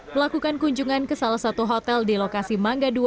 melakukan kunjungan ke salah satu hotel di lokasi mangga dua